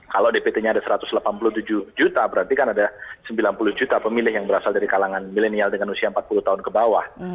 kalau dpt nya ada satu ratus delapan puluh tujuh juta berarti kan ada sembilan puluh juta pemilih yang berasal dari kalangan milenial dengan usia empat puluh tahun ke bawah